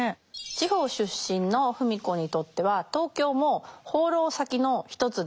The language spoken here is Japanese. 地方出身の芙美子にとっては東京も放浪先の一つです。